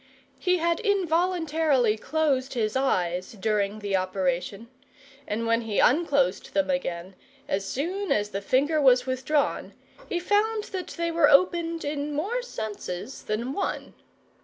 He had involuntarily closed his eyes during the operation, and when he unclosed them again, as soon as the finger was withdrawn, he found that they were opened in more senses than one.